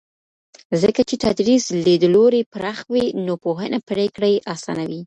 ځکه چې تدریس لیدلوری پراخوي نو پوهنه پرېکړې اسانوي.